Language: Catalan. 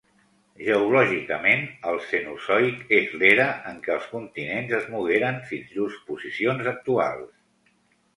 Geològicament, el Cenozoic és l'era en què els continents es mogueren fins llurs posicions actuals.